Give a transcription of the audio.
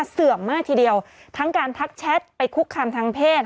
เสื่อมมากทีเดียวทั้งการทักแชทไปคุกคามทางเพศ